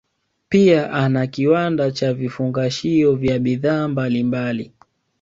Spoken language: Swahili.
Pia ana kiwanda cha vifungashio vya bidhaa mbalimbali